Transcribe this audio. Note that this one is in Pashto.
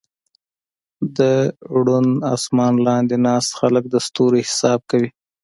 د روڼ اسمان لاندې ناست خلک د ستورو حساب کوي.